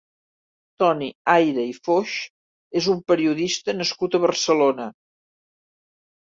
Toni Aira i Foix és un periodista nascut a Barcelona.